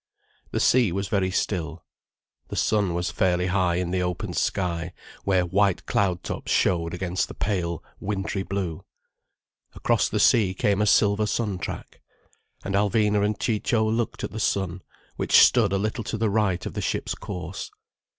The sea was very still. The sun was fairly high in the open sky, where white cloud tops showed against the pale, wintry blue. Across the sea came a silver sun track. And Alvina and Ciccio looked at the sun, which stood a little to the right of the ship's course.